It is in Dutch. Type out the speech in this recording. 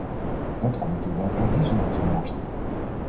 Dat komt doordat er diesel wordt gemorst.